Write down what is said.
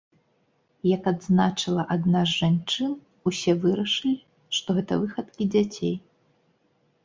Як адзначыла адна з жанчын, усе вырашылі, што гэта выхадкі дзяцей.